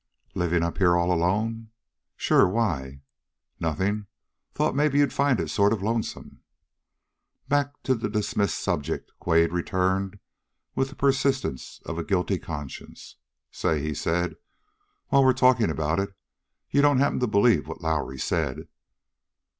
"Living up here all alone?" "Sure! Why?" "Nothing! Thought maybe you'd find it sort of lonesome." Back to the dismissed subject Quade returned, with the persistence of a guilty conscience. "Say," he said, "while we're talking about it, you don't happen to believe what Lowrie said?"